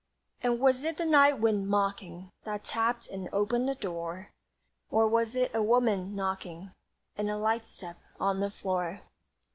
And was it the night wind mocking That tapped and opened the door, Or was it a woman knocking And a light step on the floor?